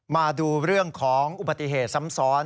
มาดูเรื่องของอุบัติเหตุซ้ำซ้อน